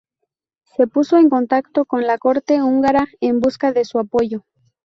Se puso en contacto con la corte húngara, en busca de su apoyo.